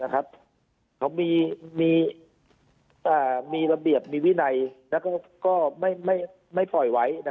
เขามีผมมีมีระเบียบมีวินัยแล้วก็ไม่ไม่ปล่อยไหว